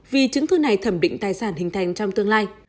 vì chứng thư này thẩm định tài sản hình thành trong tương lai